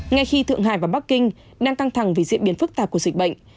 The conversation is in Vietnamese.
ngay khi thượng hải và bắc kinh đang căng thẳng vì diễn biến phức tạp của dịch bệnh